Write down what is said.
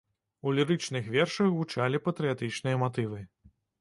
У лірычных вершах гучалі патрыятычныя матывы.